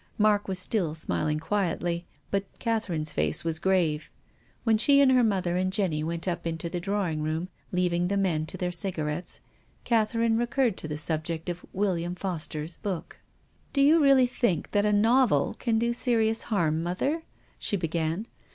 Mark was still smiling quietly, but Catherine's face Avas grave. When she and her mother and Jenny went up into the drawing room, leaving the men to their cigarettes, Catherine recurred to the subject of " William Foster's " book. " Do you really think that a novel can do serious harm, mother?" she began.